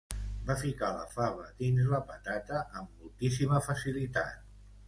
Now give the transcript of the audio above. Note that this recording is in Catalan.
Va ficar la fava dins la patata amb moltíssima facilitat.